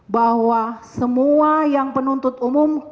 bahwa semua yang penuntut umum